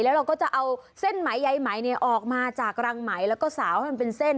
แล้วเราก็จะเอาเส้นไหมใยไหมออกมาจากรังไหมแล้วก็สาวให้มันเป็นเส้น